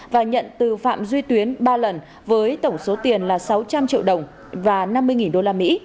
và nhận từ phạm duy tuyến ba lần với tổng số tiền là sáu trăm linh triệu đồng và năm mươi usd